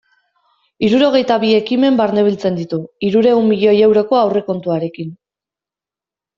Hirurogeita bi ekimen barnebiltzen ditu, hirurehun milioi euroko aurrekontuarekin.